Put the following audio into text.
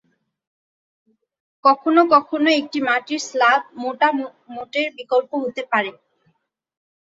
কখনও কখনও একটি মাটির স্ল্যাব মোটা মোটের বিকল্প হতে পারে।